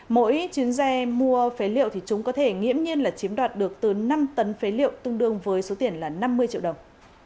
mỗi chuyến xe mua phế liệu thì chúng có thể nghiễm nhiên là chiếm đoạt được từ năm tấn phế liệu tương đương với số tiền là năm mươi triệu đồng